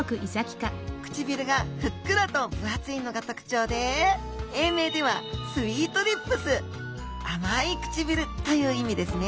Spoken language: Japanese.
唇がふっくらと分厚いのが特徴で英名ではスイートリップス「甘い唇」という意味ですね。